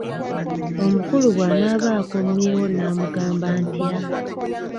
Omukulu bwanaaba akomyewo nnaamugamba ntya?